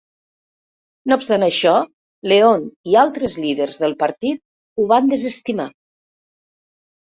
No obstant això, Leon i altres líders del partit ho van desestimar.